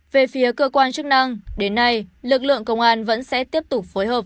về phía cơ quan chức năng đến nay lực lượng công an vẫn sẽ tiếp tục phối hợp